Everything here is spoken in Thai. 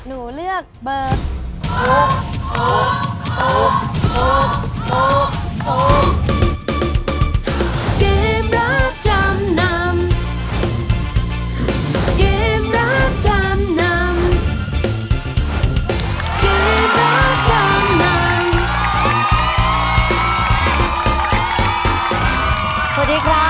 สวัสดีค่ะ